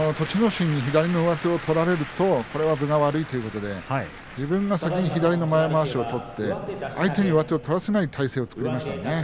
心に左の上手を取られますと分が悪いということで自分が先に左の前まわしを取って相手に上手を取らせない体勢を作りましたね。